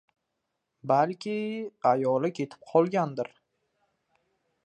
Balki, ayoli ketib qolgandir.